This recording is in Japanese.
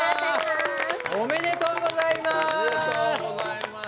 おめでとうございます！